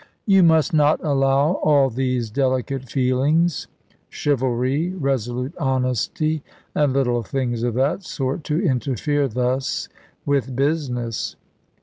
You must not allow all these delicate feelings, chivalry, resolute honesty, and little things of that sort, to interfere thus with business.